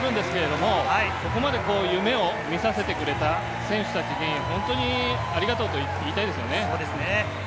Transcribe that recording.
勝ち負けあるんですけれども、ここまで夢を見させてくれた選手たちに本当にありがとうと言いたいですね。